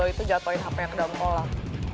jodoh lo itu jatohin hape yang ke dalam tol lah